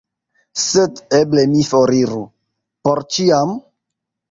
Sed eble mi foriru — por ĉiam?